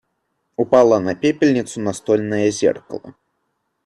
Упало на пепельницу настольное зеркало.